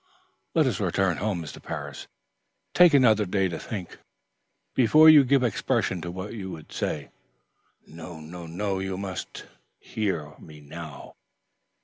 "Let us return home, Mr. Parris. Take another day to think, before you give expression to what you would say." "No, no; you must hear me now!